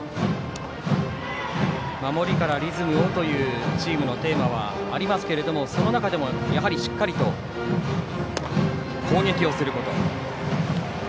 守りからリズムをというチームのテーマはありますがその中でもしっかりと攻撃をすること。